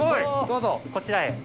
どうぞこちらへ。